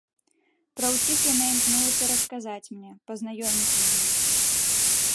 Пра ўсіх яна імкнулася расказаць мне, пазнаёміць з імі.